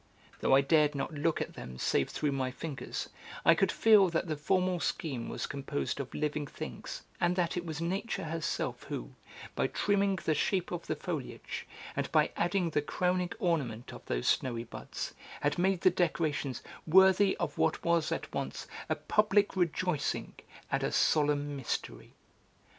Though I dared not look at them save through my fingers, I could feel that the formal scheme was composed of living things, and that it was Nature herself who, by trimming the shape of the foliage, and by adding the crowning ornament of those snowy buds, had made the decorations worthy of what was at once a public rejoicing and a solemn mystery.